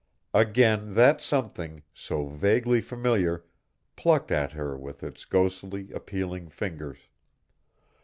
Again that something, so vaguely familiar, plucked at her with its ghostly, appealing fingers.